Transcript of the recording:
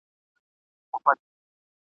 د زمان پر پستو رېګو یې ښکاریږي قدمونه !.